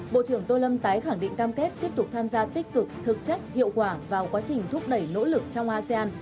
bộ trưởng tô lâm tái khẳng định cam kết tiếp tục tham gia tích cực thực chất hiệu quả vào quá trình thúc đẩy nỗ lực trong asean